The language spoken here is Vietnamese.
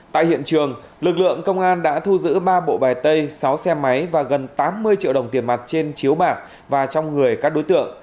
tại hiện trường lực lượng công an đã thu giữ ba bộ bài tay sáu xe máy và gần tám mươi triệu đồng tiền mặt trên chiếu bạc và trong người các đối tượng